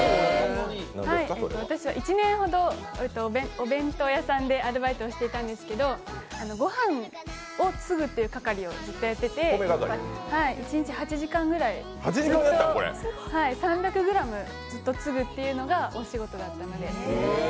私は１年ほどお弁当屋さんでアルバイトをしていたんですけどごはんをつぐという係をずっとやってて、一日８時間ぐらいずっと、３００ｇずっとつぐっていうのがお仕事だったので。